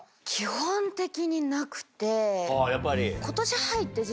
あやっぱり。